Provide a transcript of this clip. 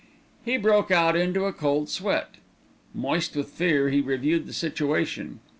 He broke out into a cold sweat. Moist with fear, he reviewed the situation.